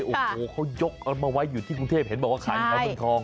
โอ้โหเขายกกันมาไว้อยู่ที่กรุงเทพเห็นบอกว่าขายแถวเมืองทอง